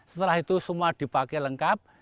setelah itu semua dipakai lengkap